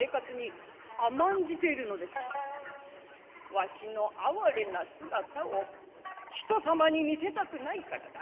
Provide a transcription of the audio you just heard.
「わしの哀れな姿を人様に見せたくないからだ。